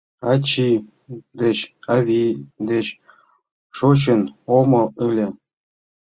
Ачий деч, авий деч шочын омыл ыле